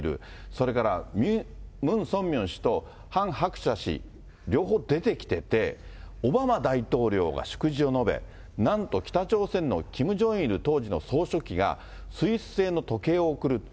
それからムン・ソンミョン氏とハン・ハクチャ氏、両方出てきてて、オバマ大統領が祝辞を述べ、なんと北朝鮮のキム・ジョンイル、当時の総書記がスイス製の時計を贈る。